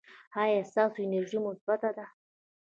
ایا ستاسو انرژي مثبت ده؟